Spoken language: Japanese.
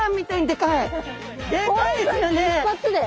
でかいですよね。